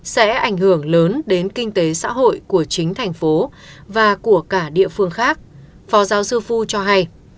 sẽ ảnh hưởng lớn đến kinh tế xã hội của chính thành phố và của cả địa phương khác phó giáo sư phu cho hay